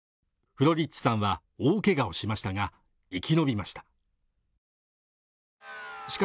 フロリッチさんは大けがをしましたが生き延びました